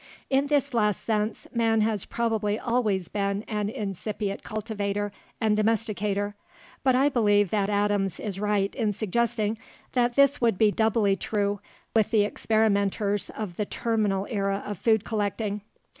In this last sense, man has probably always been an incipient cultivator and domesticator. But I believe that Adams is right in suggesting that this would be doubly true with the experimenters of the terminal era of food collecting.